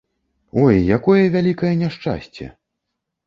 Ой, якое вялікае няшчасце!